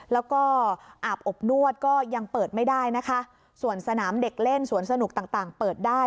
แล้วก็อาบอบนวดก็ยังเปิดไม่ได้นะคะส่วนสนามเด็กเล่นสวนสนุกต่างต่างเปิดได้